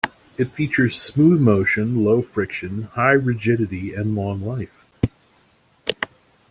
It features smooth motion, low friction, high rigidity and long life.